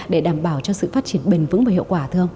để đảm bảo cho sự phát triển bền vững và hiệu quả thưa ông